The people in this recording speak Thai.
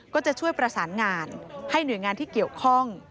ก็จะช่วยประสานงานให้หน่วยงานที่เกี่ยวข้อง